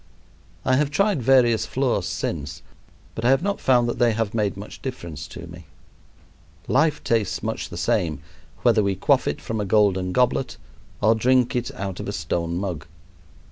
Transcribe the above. I have tried various floors since but I have not found that they have made much difference to me. Life tastes much the same, whether we quaff it from a golden goblet or drink it out of a stone mug.